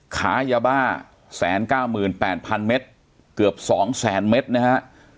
ขายาบ้า๑๙๘๐๐๐เมตรเกือบ๒๐๐๐เมตรนะฮะ